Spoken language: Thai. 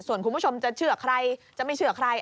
ส่วนคุณผู้ชมจะเชื่อใครจะไม่เชื่อใคร